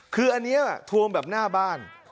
คืออันนี้ทวงแบบหน้าบ้าน